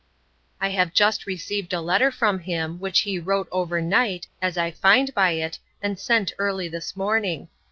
—I have just received a letter from him, which he wrote overnight, as I find by it, and sent early this morning.